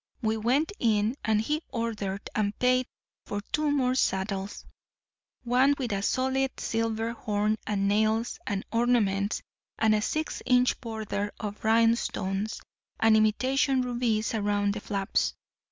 We went in, and he ordered and paid for two more saddles—one with a solid silver horn and nails and ornaments and a six inch border of rhinestones and imitation rubies around the flaps.